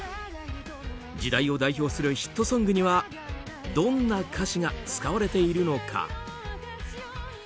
時代を代表するヒットソングにはどんな歌詞が使われているのか。